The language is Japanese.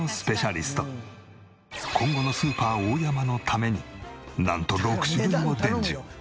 今後のスーパーオオヤマのためになんと６種類を伝授。